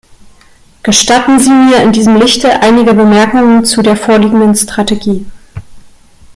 Gestatten Sie mir in diesem Lichte einige Bemerkungen zu der vorliegenden Strategie.